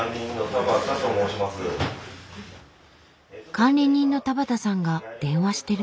管理人の田畠さんが電話してる。